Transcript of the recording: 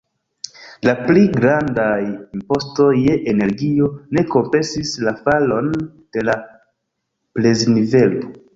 La pli grandaj impostoj je energio ne kompensis la falon de la preznivelo.